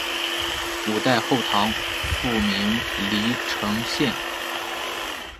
五代后唐复名黎城县。